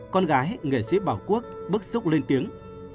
con gái nghệ sĩ bảo quốc bức xúc lên tiếng